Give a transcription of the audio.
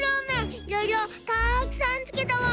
いろいろたくさんつけたワン！